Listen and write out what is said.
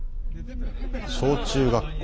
小中学校。